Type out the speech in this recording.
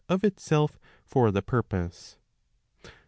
of itself for the purpose.